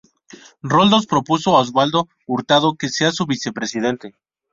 Roldós propuso a Osvaldo Hurtado que sea su vicepresidente.